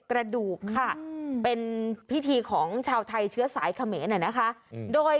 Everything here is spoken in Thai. กระดูกค่ะเป็นพิธีของชาวไทยเชื้อสายเขมรน่ะนะคะโดย